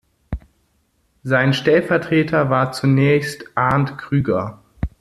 Sein Stellvertreter war zunächst Arnd Krüger.